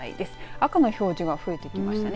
赤の表示が増えてきましたね。